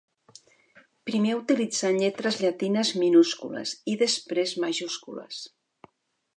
Primer utilitzant lletres llatines minúscules i després majúscules.